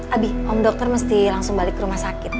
abi om dokter mesti langsung balik ke rumah sakit